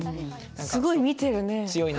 すごい見てるね。